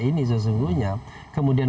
ini sesungguhnya kemudian